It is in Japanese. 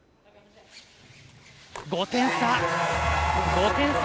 ５点差。